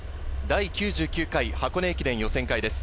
第９９回箱根駅伝予選会です。